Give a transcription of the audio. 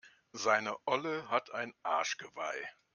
Seine Olle hat ein Arschgeweih.